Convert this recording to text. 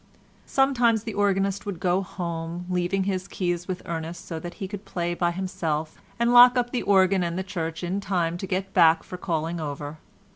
Sometimes the organist would go home, leaving his keys with Ernest, so that he could play by himself and lock up the organ and the church in time to get back for calling over.